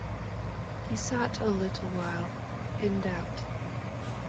He sat a little while, in doubt.